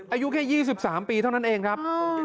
อายุแค่๒๓ปีเท่านั้นเองครับ